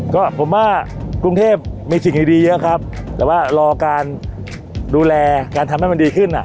ก็ผมว่ากรุงเทพมีสิ่งดีเยอะครับแต่ว่ารอการดูแลการทำให้มันดีขึ้นอ่ะ